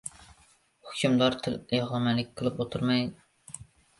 Hukmdor, tilyog‘lamalik qilib o‘tirmay: